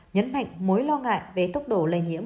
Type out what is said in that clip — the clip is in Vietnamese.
nhấn mạnh mối lo ngại về tốc độ lây nhiễm